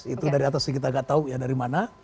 itu dari atas kita gak tahu dari mana